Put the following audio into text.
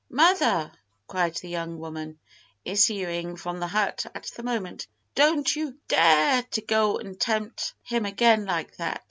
"Mother!" cried the young woman, issuing from the hut at the moment, "don't you dare to go an' tempt him again like that.